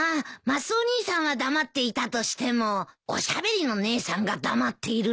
マスオ兄さんは黙っていたとしてもおしゃべりの姉さんが黙っているなんて。